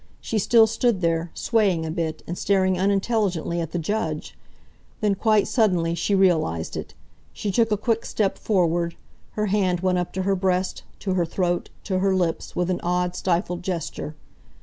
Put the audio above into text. She still stood there, swaying a bit, and staring unintelligently at the judge. Then, quite suddenly, she realized it. She took a quick step forward. Her hand went up to her breast, to her throat, to her lips, with an odd, stifled gesture.